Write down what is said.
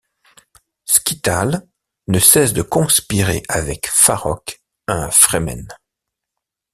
Scytale ne cesse de conspirer avec Farok, un Fremen.